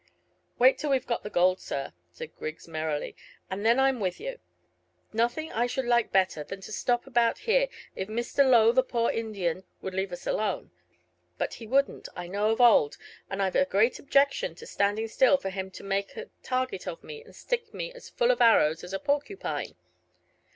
"Wait till we've got the gold, sir," said Griggs merrily, "and then I'm with you. Nothing I should like better than to stop about here if Mr Lo! the poor Indian, would leave us alone. But he wouldn't, I know of old, and I've a great objection to standing still for him to make a target of me and stick me as full of arrows as a porcupine.